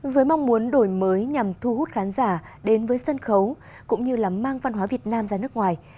với mong muốn đổi mới nhằm thu hút khán giả đến với sân khấu cũng như là mang văn hóa việt nam ra nước ngoài